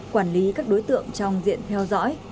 quản lý các đối tượng trong diện theo dõi